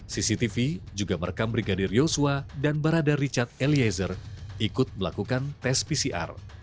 cctv juga merekam brigadir yosua dan barada richard eliezer ikut melakukan tes pcr